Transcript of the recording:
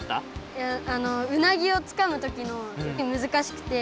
いやうなぎをつかむときのむずかしくて。